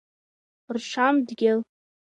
Ршьам дгьыл…